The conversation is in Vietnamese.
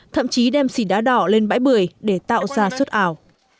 thậm chí đem xỉ đá đỏ lên bãi bưởi để tạo ra suất ảo